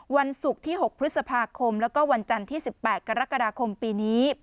วันศุกร์ที่๖พฤษภาคมแล้วก็วันจันทร์ที่๑๘กรกฎาคมปีนี้